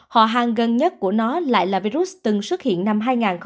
họ hàng gần nhất của nó lại là virus từng xuất hiện năm hai nghìn một mươi